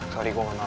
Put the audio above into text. kali gue gak mau